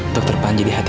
dokter panji dihantar